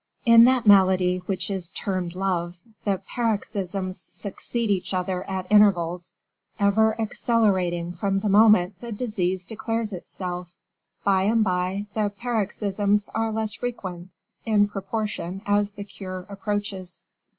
In that malady which is termed love the paroxysms succeed each other at intervals, ever accelerating from the moment the disease declares itself. By and by, the paroxysms are less frequent, in proportion as the cure approaches.